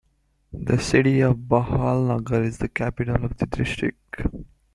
The city of Bahawalnagar is the capital of the district.